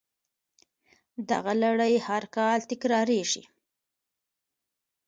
دغه لړۍ هر کال تکراریږي